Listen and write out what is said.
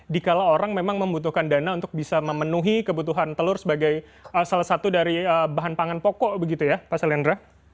dikala orang memang membutuhkan dana untuk bisa memenuhi kebutuhan telur sebagai salah satu dari bahan pangan pokok begitu ya pak selendra